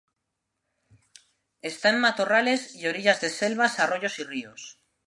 Está en matorrales y orillas de selvas, arroyos y ríos.